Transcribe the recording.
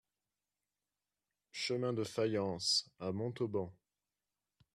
Chemin de Fayence à Montauban